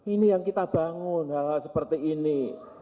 ini yang kita bangun hal hal seperti ini